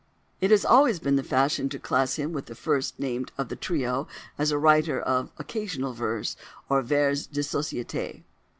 It has always been the fashion to class him with the first named of the trio as a writer of "occasional verse" or "vers de société."